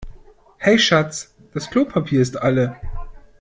Hey Schatz, das Klopapier ist alle.